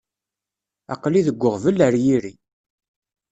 Aql-i deg uɣbel ar yiri.